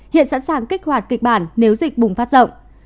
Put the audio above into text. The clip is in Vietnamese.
hiện sẵn sàng kích hoạt kịch bản nếu dịch bùng phát rộng